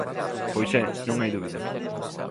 _Pois é, non hai dúbida.